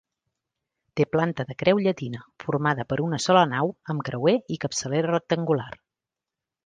Té planta de creu llatina, formada per una sola nau amb creuer i capçalera rectangular.